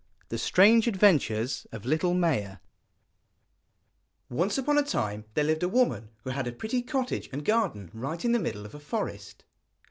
THE STRANGE ADVENTURES OF LITTLE MAIA Once upon a time there lived a woman who had a pretty cottage and garden right in the middle of a forest.